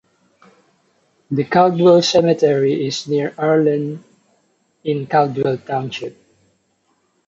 The Caldwell cemetery is near Arlene in Caldwell Township.